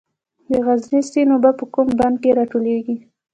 د غزني سیند اوبه په کوم بند کې راټولیږي؟